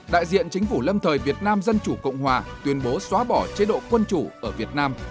đại diện chính phủ lâm thời việt nam dân chủ cộng hòa tuyên bố xóa bỏ chế độ quân chủ ở việt nam